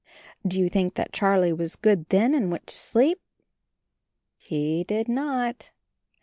Do you think that Charlie was good then and went to sleep? He did not.